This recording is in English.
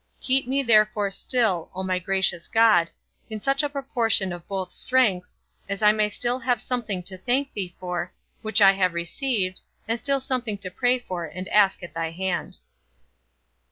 Keep me therefore still, O my gracious God, in such a proportion of both strengths, as I may still have something to thank thee for, which I have received, and still something to pray for and ask at thy hand.